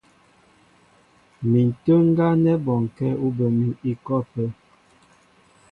Mi ǹtə́ə́ ŋgá nɛ́ bɔnkɛ́ ú bə mi ikɔ ápə́.